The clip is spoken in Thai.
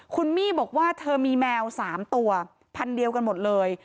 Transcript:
คุณมี่บอกว่าเธอมีแมว๓ตัวพันธุ์เดียวกันหมดเลย